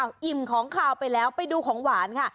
อิ่มของขาวไปแล้วไปดูของหวานค่ะ